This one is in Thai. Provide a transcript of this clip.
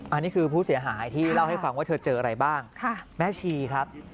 อันนี้คือผู้เสียหายที่เล่าให้ฟังว่าเธอเจออะไรบ้างแม่ชีครับ